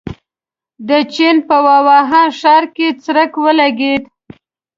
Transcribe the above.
د چين په ووهان ښار کې څرک ولګېد.